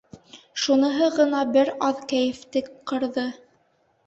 Шуныһы ғына бер аҙ кәйефте ҡырҙы.